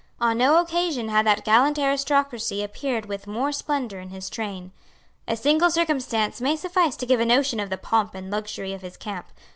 On no occasion had that gallant aristocracy appeared with more splendour in his train. A single circumstance may suffice to give a notion of the pomp and luxury of his camp.